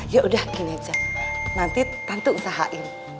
ya udah gini aja nanti tante usahain